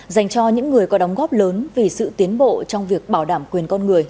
dành cho những người có đóng góp lớn vì sự tiến bộ trong việc bảo đảm quyền con người